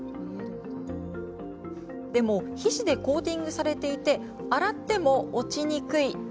でも皮脂でコーティングされてて洗っても落ちにくい。